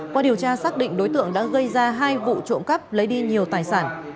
qua điều tra xác định đối tượng đã gây ra hai vụ trộm cắp lấy đi nhiều tài sản